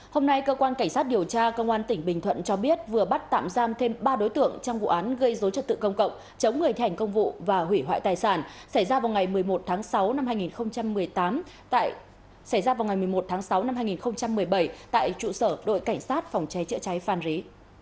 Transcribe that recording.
hôm nay cơ quan cảnh sát điều tra công an tỉnh bình thuận cho biết vừa bắt tạm giam thêm ba đối tượng trong vụ án gây dối trật tự công cộng chống người thành công vụ và hủy hoại tài sản xảy ra vào ngày một mươi một tháng sáu năm hai nghìn một mươi bảy tại trụ sở đội cảnh sát phòng chế chữa trái phan rí